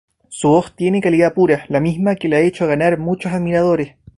Su voz tiene calidad pura, la misma que le ha hecho ganar muchos admiradores.